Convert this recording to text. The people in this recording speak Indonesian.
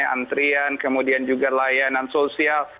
antrian kemudian juga layanan sosial